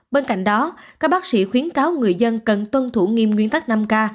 bên cạnh đó các bác sĩ khuyến cáo người dân cần tuân thủ nghiêm nguyên tắc năm k